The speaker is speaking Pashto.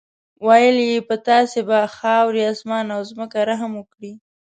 ویل یې په تاسې به خاورې، اسمان او ځمکه رحم وکړي.